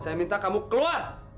saya minta kamu keluar